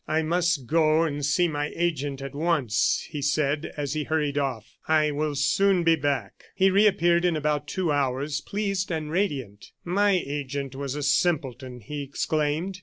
"I must go and see my agent at once," he said, as he hurried off. "I will soon be back." He reappeared in about two hours, pleased and radiant. "My agent was a simpleton," he exclaimed.